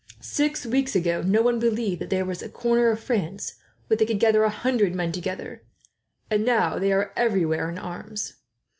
Six weeks ago, no one believed that there was a corner of France where they could gather a hundred men together, and now they are everywhere in arms."